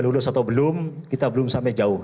lulus atau belum kita belum sampai jauh